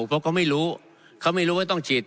เพราะเขาไม่รู้เขาไม่รู้ว่าต้องฉีด